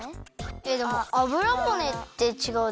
えっでもあぶらぼねってちがうでしょ。